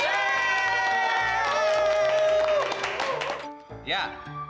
ya untuk pertanyaan kedua